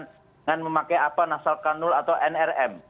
dengan memakai apa nasal kanul atau nrm